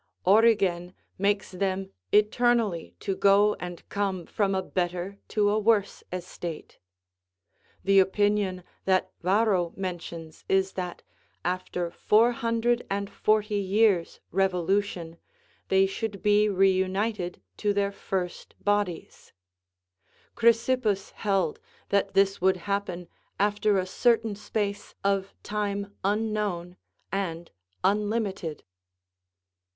Origen makes them eternally to go and come from a better to a worse estate. The opinion that Varro mentions is that, after four hundred and forty years' revolution, they should be reunited to their first bodies; Chrysippus held that this would happen after a certain space of time unknown and unlimited.